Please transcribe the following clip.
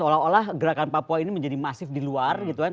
seolah olah gerakan papua ini menjadi masif di luar gitu kan